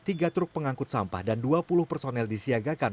tiga truk pengangkut sampah dan dua puluh personel disiagakan